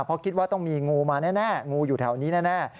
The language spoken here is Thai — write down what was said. เพราะคิดว่าต้องมีงูมาแน่งูอยู่แถวนี้แน่